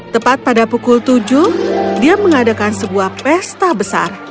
tepat pada pukul tujuh dia mengadakan sebuah pesta besar